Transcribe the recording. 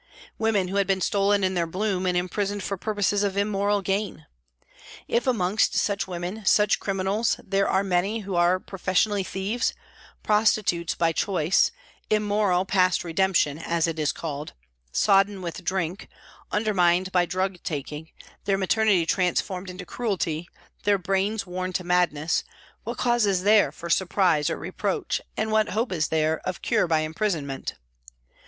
Women who had been stolen in their bloom and imprisoned for purposes of immoral gain. If amongst such women, such criminals, there arc many who are professionally thieves, prostitutes " by choice," immoral " past redemption " as it is called, sodden with drink, undermined by drug taking, their maternity transformed into cruelty, their brains worn to madness, what cause is there for surprise or reproach, and what hope is there of POLICE COURT TRIAL 63 cure by imprisonment